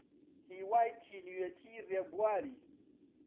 هیوای تینوێتی ڕێبواری